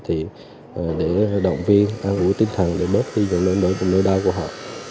thì để động viên an ủi tinh thần để bớt đi những nỗi nỗi nỗi đau của họ